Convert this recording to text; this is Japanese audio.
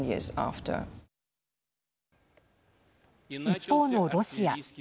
一方のロシア。